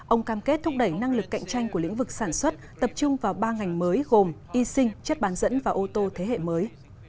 ông cam kết thúc đẩy năng lực cạnh tranh của lĩnh vực sản xuất tập trung vào ba ngành mới gồm y sinh chất bán dẫn và ô tô thế hệ mới